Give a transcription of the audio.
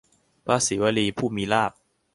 พระสีวลี ผู้มีลาภ